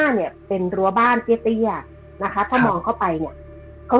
คือเรื่องนี้มันเกิดมาประสบการณ์ของรุ่นนี้มีคนที่เล่าให้พี่ฟังคือชื่อน้องปลานะคะ